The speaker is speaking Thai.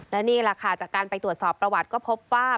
และนี่แหละค่ะจากการไปตรวจสอบประวัติก็พบว่า